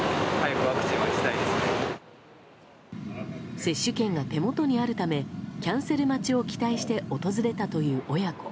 接種券が手元にあるためキャンセル待ちを期待して訪れたという親子。